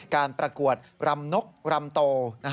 การประกวดรำนกรำโต